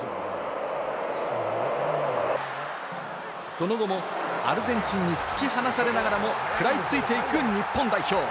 その後もアルゼンチンに突き放されながらも、食らいついていく日本代表。